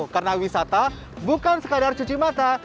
karena wisata bukan sekadar cuci mata